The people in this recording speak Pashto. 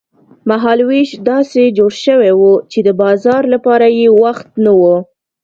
مهال وېش داسې جوړ شوی و چې د بازار لپاره یې وخت نه و.